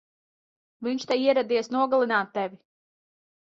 Viņš te ieradies nogalināt tevi!